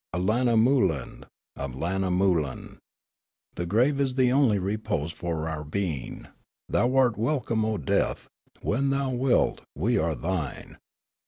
AUanamoulin, Allanamoulin, The grave is the onl} repose for our being ; Thou 'rt welcome. Oh, death ! When thou wilt, we are thine.